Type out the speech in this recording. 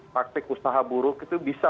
praktik usaha buruk itu bisa